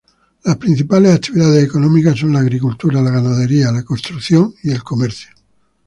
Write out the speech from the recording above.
Las principales actividades económicas son la agricultura, la ganadería, la construcción y el comercio.